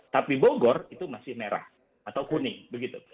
tapi bogor itu masih merah atau kuning begitu